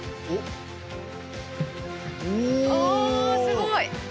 おすごい！